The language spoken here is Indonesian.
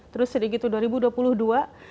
terus sedikit lagi